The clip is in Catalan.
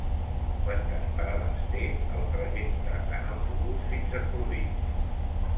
Quantes parades té el trajecte en autobús fins a Corbins?